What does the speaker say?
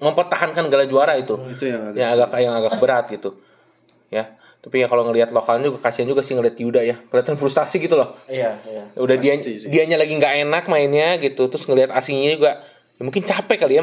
memang harus banyak yang diperbaiki lah